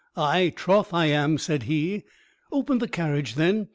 "Ay, troth I am," said he. "Open the carriage, then.